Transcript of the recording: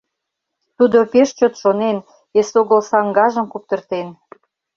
Тудо пеш чот шонен, эсогыл саҥгажым куптыртен.